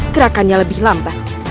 gerakannya lebih lambat